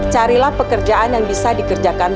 carilah pekerjaan yang bisa dikerjakan